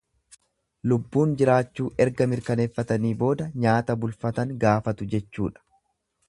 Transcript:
Lubbuun jiraachuu erga mirkaneeffatanii booda nyaata bulfatan gaafatu jechuudha.